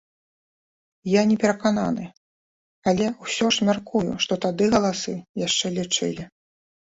Я не перакананы, але ўсё ж мяркую, што тады галасы яшчэ лічылі.